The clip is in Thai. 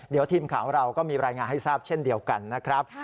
เดี๋ยวทีมข่าวเราก็มีรายงานให้ทราบเช่นเดียวกันนะครับ